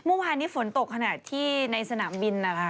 เมื่อวานนี้ฝนตกขนาดที่ในสนามบินนะคะ